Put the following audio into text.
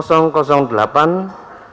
teridentifikasi sebagai am nomor dua puluh enam b